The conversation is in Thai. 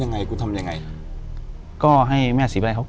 อยู่ที่แม่ศรีวิรัยิลครับ